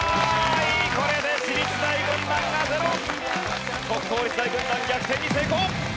これで私立大軍団が０！国公立大軍団逆転に成功！